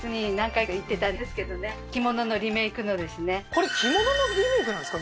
これ着物のリメイクなんですか？